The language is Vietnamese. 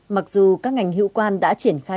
mặc dù các ngành hữu quan đã triển khai